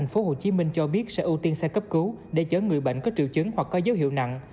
tp hcm cho biết sẽ ưu tiên xe cấp cứu để chở người bệnh có triệu chứng hoặc có dấu hiệu nặng